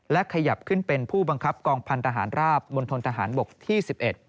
ขยับขึ้นเป็นผู้บังคับกองพันธหารราบมณฑนทหารบกที่๑๑